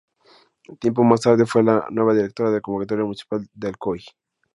Tiempo más tarde fue la nueva Directora del Conservatorio Municipal de Alcoy.